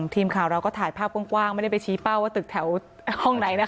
ทีมข่าวเราก็ถ่ายภาพกว้างไม่ได้ไปชี้เป้าว่าตึกแถวห้องไหนนะคะ